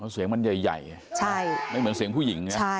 เสียงมันใหญ่ไม่เหมือนเสียงผู้หญิงเนี่ย